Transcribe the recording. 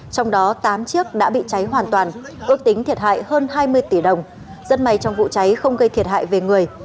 trong đó tám chiếc đã bị cháy hoàn toàn ước tính thiệt hại hơn hai mươi tỷ đồng rất may trong vụ cháy không gây thiệt hại về người